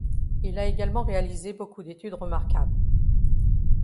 Il a également réalisé beaucoup d'études remarquables.